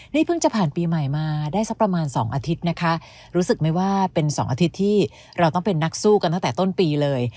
นี่เพิ่งจะผ่านปีใหม่มาได้สักประมาณ๒อาทิตย์นะคะรู้สึกไหมว่าเป็นสองอาทิตย์ที่เราต้องเป็นนักสู้กันตั้งแต่ต้นปีเลย